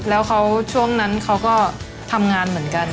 แล้วเขาช่วงนั้นเขาก็ทำงานเหมือนกัน